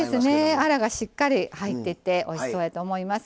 アラがしっかり入っていておいしそうやと思います。